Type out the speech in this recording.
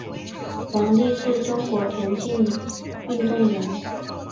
王丽是中国田径运动员。